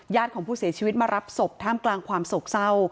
ของผู้เสียชีวิตมารับศพท่ามกลางความโศกเศร้า